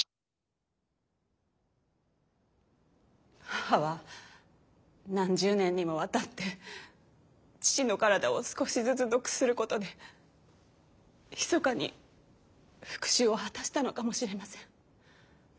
母は何十年にもわたって父の体を少しずつ毒することでひそかに復しゅうを果たしたのかもしれません。